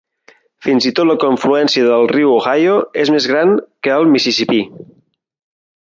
Fins i tot a la confluència el riu Ohio és més gran que el Mississipí.